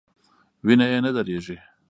وینه یې نه دریږي.